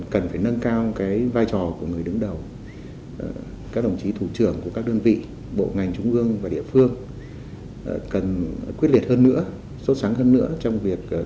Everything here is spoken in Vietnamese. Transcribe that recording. cần phải nâng cao vai trò của người đứng đầu các đồng chí thủ trưởng của các đơn vị bộ ngành trung ương và địa phương